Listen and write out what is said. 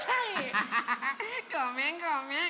ハハハハハごめんごめん！